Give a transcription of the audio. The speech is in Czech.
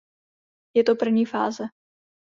Je to první fáze.